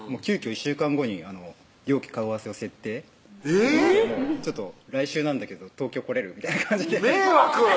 １週間後に両家顔合わせを設定えぇっ「来週なんだけど東京来れる？」みたいな感じで迷惑！